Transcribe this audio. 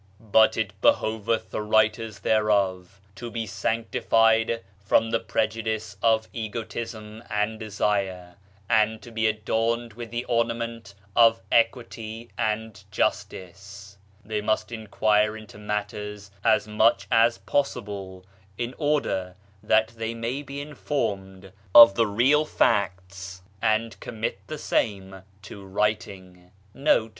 "But it behoveth the writers thereof to be sanctified from the prejudice of egotism and desire and to be adorned with the ornament of Equity and Justice ; they must inquire into matters as much as possible, in order that they may be in formed of the real facts, and commit the same to writing."